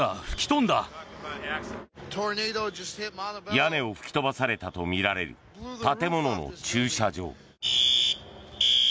屋根を吹き飛ばされたとみられる建物の駐車場。